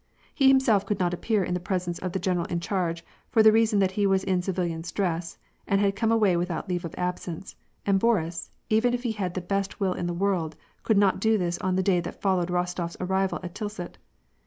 He himself could not appear in the presence of the general in charge, for the reason that he was in civilian's dress, and had come away without leave of absence, and Boris, even if he had had the best will in the world, could not do this on the day that followed Rostof's arrival at Tilsit.